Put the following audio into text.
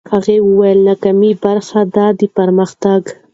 هغه وویل، ناکامي برخه ده د پرمختګ.